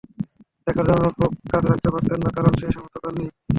লেখার জন্য নোটবুক কাছে রাখতে পারতেন না, কারণ সেই সামর্থ্য তাঁর নেই।